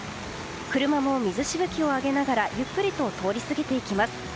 車も水しぶきを上げながらゆっくりと通り過ぎていきます。